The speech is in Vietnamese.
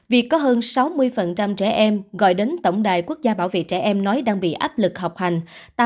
việc có hơn sáu mươi trẻ em gọi đến tổng đài quốc gia bảo vệ trẻ em nói đang bị áp lực học hành